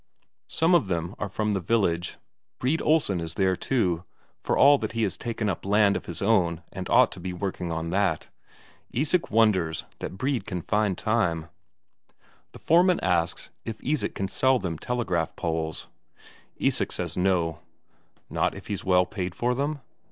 Some of them are from the village, Brede Olsen is there too, for all that he has taken up land of his own and ought to be working on that. Isak wonders that Brede can find time. The foreman asks if Isak can sell them telegraph poles. Isak says no. Not if he's well paid for them?